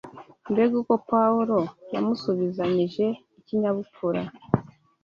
Mbega uko Pawulo yamusubizanyije ikinyabupfura